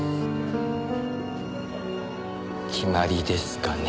決まりですかね。